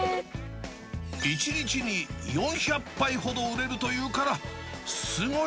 １日に４００杯ほど売れるというからすごい。